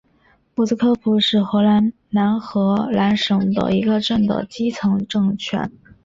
博斯科普是荷兰南荷兰省的一个镇的基层政权。